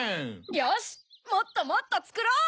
よしもっともっとつくろう！